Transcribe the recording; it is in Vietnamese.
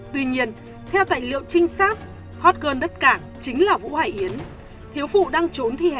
tuy nhiên theo tài liệu trinh sát hot girl đất cảng chính là vũ hải yến thiếu phụ đang trốn thi hành